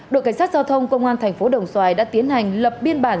đội cảnh sát giao thông công an thành phố đồng xoài đã tiến hành lập biên bản